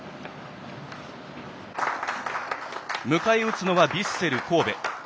迎え撃つのはヴィッセル神戸。